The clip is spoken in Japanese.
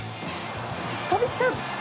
飛びつく！